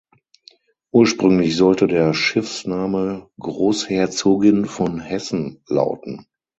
Ursprünglich sollte der Schiffsname "Großherzogin von Hessen" lauten.